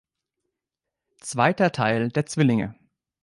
Zweiter Theil der Zwillinge".